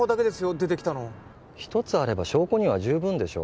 出てきたの１つあれば証拠には十分でしょ